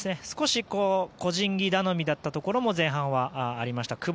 少し、個人技頼みだったところも前半はありました。